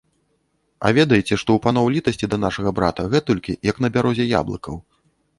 А ведаеце, што ў паноў літасці да нашага брата гэтулькі, як на бярозе яблыкаў.